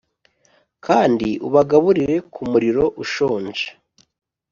kandi ubagaburire ku muriro ushonje!